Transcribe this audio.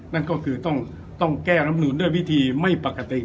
นั่นก็คือต้องแก้รำนูนด้วยวิธีไม่ปกติ